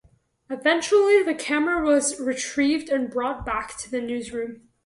Eventually the camera was retrieved and brought back to the newsroom.